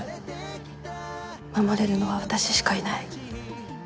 守れるのは私しかいない。